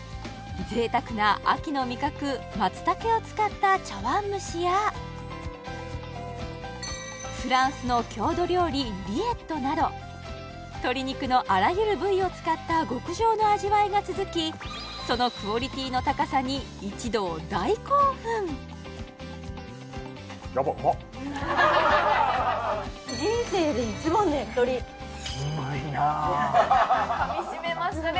贅沢な秋の味覚松茸を使った茶碗蒸しやフランスの郷土料理リエットなど鶏肉のあらゆる部位を使った極上の味わいが続きそのクオリティーの高さに一同大興奮噛みしめましたね